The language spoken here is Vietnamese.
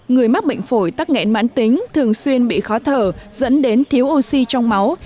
người mắc bệnh phổi tăng nghẹn mãn tính thường xuyên bị khó thở dẫn đến thiếu oxy trong máu